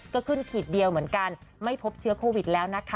ก็ขึ้นขีดเดียวเหมือนกันไม่พบเชื้อโควิดแล้วนะคะ